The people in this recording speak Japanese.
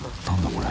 これ］